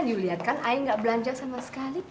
you lihat kan i gak belanja sama sekali